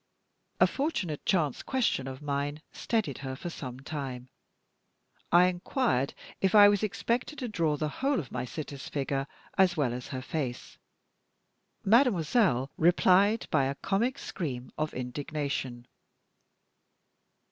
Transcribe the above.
A fortunate chance question of mine steadied her for some time. I inquired if I was expected to draw the whole of my sitter's figure as well as her face. Mademoiselle replied by a comic scream of indignation.